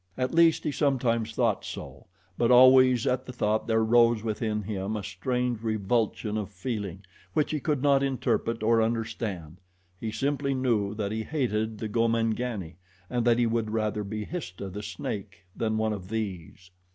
At least he sometimes thought so, but always at the thought there rose within him a strange revulsion of feeling, which he could not interpret or understand he simply knew that he hated the Gomangani, and that he would rather be Histah, the snake, than one of these.